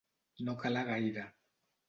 No calar gaire.